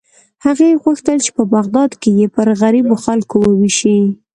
هغې غوښتل چې په بغداد کې یې پر غریبو خلکو ووېشي.